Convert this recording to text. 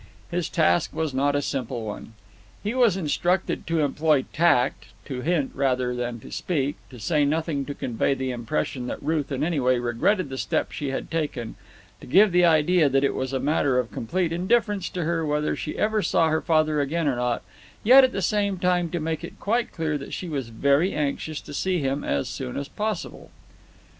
His task was not a simple one. He was instructed to employ tact, to hint rather than to speak, to say nothing to convey the impression that Ruth in any way regretted the step she had taken, to give the idea that it was a matter of complete indifference to her whether she ever saw her father again or not, yet at the same time to make it quite clear that she was very anxious to see him as soon as possible.